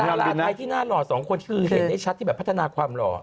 ดาราที่ที่หน้าหล่อ๒คนคือเห็นได้ชัดการพัฒนาความหล่อ